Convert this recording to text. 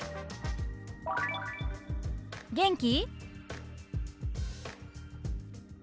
「元気？」。